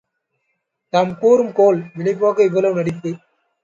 தாம் கூறும் கோள் விலை போக இவ்வளவு நடிப்பு!